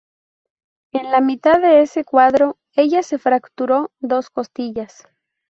En la mitad de ese cuadro, ella se fracturó dos costillas.